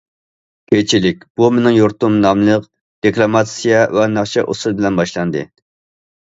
كېچىلىك« بۇ مېنىڭ يۇرتۇم» ناملىق دېكلاماتسىيە ۋە ناخشا- ئۇسسۇل بىلەن باشلاندى.